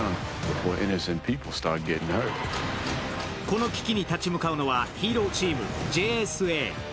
この危機に立ち向かうのはヒーローチーム・ＪＳＡ。